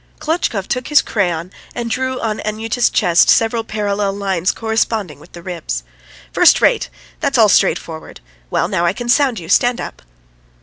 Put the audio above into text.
Klotchkov took his crayon and drew on Anyuta's chest several parallel lines corresponding with the ribs. "First rate. That's all straightforward. ... Well, now I can sound you. Stand up!"